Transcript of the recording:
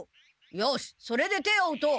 よしそれで手を打とう。